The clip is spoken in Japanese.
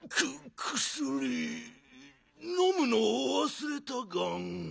のむのをわすれたガン。